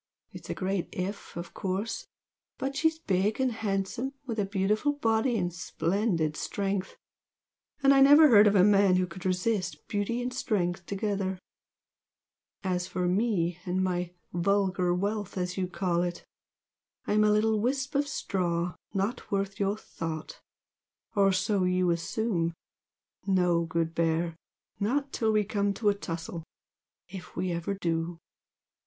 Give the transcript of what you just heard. It's a great 'if' of course! but she's big and handsome, with a beautiful body and splendid strength, and I never heard of a man who could resist beauty and strength together. As for ME and my 'vulgar wealth' as you call it, I'm a little wisp of straw not worth your thought! or so you assume no, good Bear! not till we come to a tussle if we ever do!"